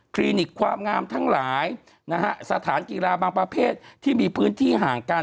นิกความงามทั้งหลายนะฮะสถานกีฬาบางประเภทที่มีพื้นที่ห่างกัน